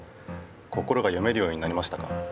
心が読めるようになりましたか？